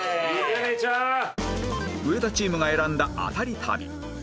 上田チームが選んだアタリ旅